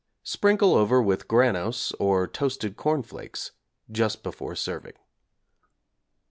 Sprinkle over with 'Granose' or 'Toasted Corn Flakes' just before serving.